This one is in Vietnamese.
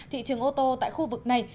thị trường ô tô tại khu vực này